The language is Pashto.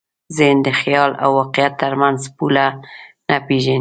ذهن د خیال او واقعیت تر منځ پوله نه پېژني.